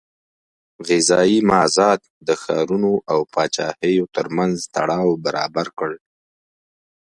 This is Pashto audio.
غذایي مازاد د ښارونو او پاچاهیو ترمنځ تړاو برابر کړ.